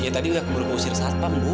iya tadi udah keburu mau usir sampam bu